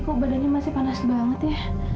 kok badannya masih panas banget ya